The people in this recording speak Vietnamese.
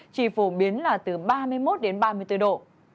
chỉ phổ biến là từ ba mươi một đến ba mươi bốn độ